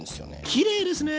きれいですね。